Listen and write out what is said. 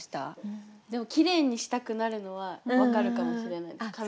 でもきれいにしたくなるのは分かるかもしれないです。